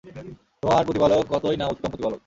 তোমার প্রতিপালক কতই না উত্তম প্রতিপালক।